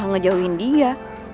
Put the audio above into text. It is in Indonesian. gua mau ngejauhin dia